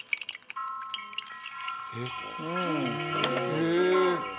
へえ！